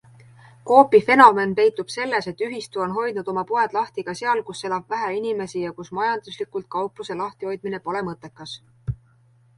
Coopi fenomen peitub selles, et ühistu on hoidnud oma poed lahti ka seal, kus elab vähe inimesi ja kus majanduslikult kaupluse lahtihoidmine pole mõttekas.